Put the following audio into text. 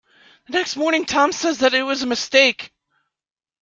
The next morning Tom says that it was a mistake.